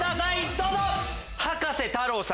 どうぞ！